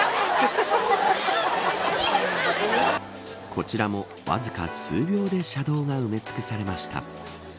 こちらも、わずか数秒で車道が埋め尽くされました。